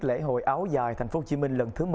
lễ hội áo dài thành phố hồ chí minh lần thứ một mươi